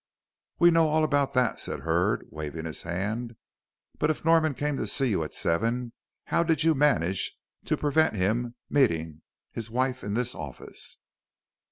"We know all about that," said Hurd, waving his hand; "But if Norman came to you at seven, how did you manage to prevent him meeting his wife in this office?"